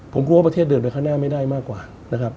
ผมกลัวว่าประเทศเดินไปข้างหน้าไม่ได้มากกว่านะครับ